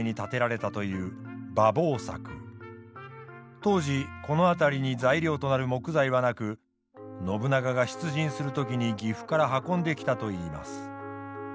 当時この辺りに材料となる木材はなく信長が出陣する時に岐阜から運んできたといいます。